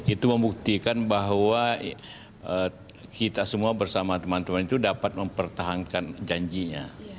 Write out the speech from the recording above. itu membuktikan bahwa kita semua bersama teman teman itu dapat mempertahankan janjinya